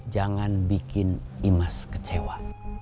jangan bikin imas kecewa